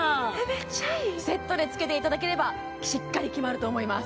めっちゃいいセットでつけていただければしっかり決まると思います